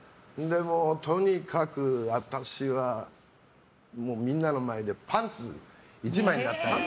とにかく、私はみんなの前でパンツ１枚になって。